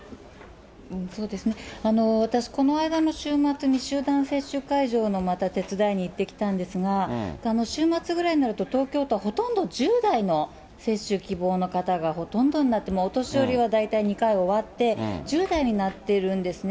そうですね、私、この間の週末に集団接種会場のまた手伝いに行ってきたんですが、週末ぐらいになると、東京都はほとんど１０代の接種希望の方がほとんどになって、お年寄りは大体２回終わって、１０代になってるんですね。